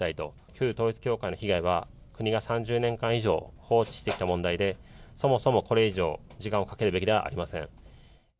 旧統一教会の被害は、国が３０年間以上放置してきた問題で、そもそもこれ以上、時間をかけるべきではありません。